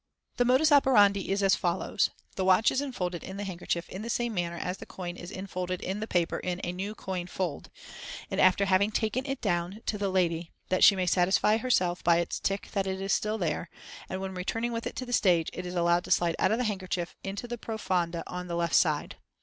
The modus operandi is as follows:—The watch is enfolded in the handkerchief in the same manner as the coin is enfolded in the paper in "A New Coin Fold", and after having taken it down to the lady that she may satisfy herself by its tick that it is still there, and when returning with it to the stage, it is allowed to slide out of the handkerchief into the profonde on the left side.